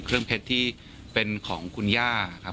เครื่องเพชรที่เป็นของคุณย่าครับ